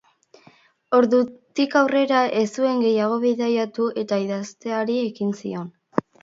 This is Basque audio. Ordutik aurrera ez zuen gehiago bidaiatu eta idazteari ekin zion.